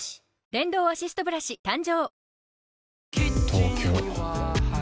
電動アシストブラシ誕生！